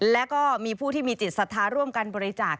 และก็มีผู้ที่มีจิตศรัทธาร่วมกันบริจาค